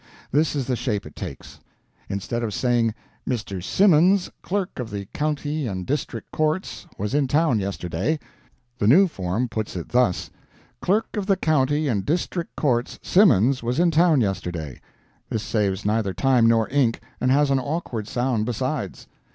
This is the shape it takes: instead of saying "Mr. Simmons, clerk of the county and district courts, was in town yesterday," the new form puts it thus: "Clerk of the County and District Courts Simmons was in town yesterday." This saves neither time nor ink, and has an awkward sound besides.